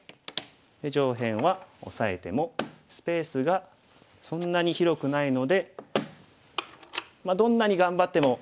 で上辺はオサえてもスペースがそんなに広くないのでどんなに頑張ってもお部屋が。